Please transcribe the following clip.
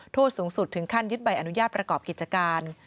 โทษสูงสุดถึงขั้นยึดใบอนุญาตประกอบกิจการ